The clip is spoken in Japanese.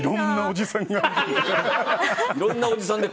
いろんなおじさんが。